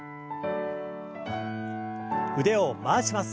腕を回します。